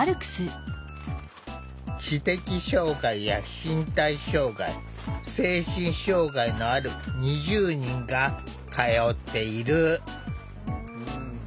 知的障害や身体障害精神障害のある２０人が通っている。